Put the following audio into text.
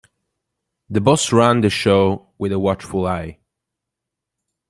The boss ran the show with a watchful eye.